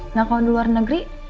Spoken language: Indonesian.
nah kalau di luar negeri